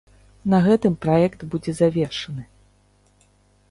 На гэтым праект будзе завершаны.